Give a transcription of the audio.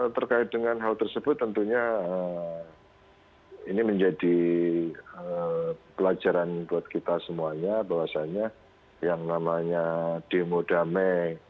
terkait dengan hal tersebut tentunya ini menjadi pelajaran buat kita semuanya bahwasannya yang namanya demo damai